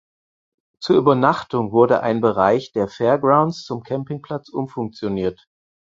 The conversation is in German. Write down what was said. Zur Übernachtung wurde ein Bereich der Fairgrounds zum Campingplatz umfunktioniert.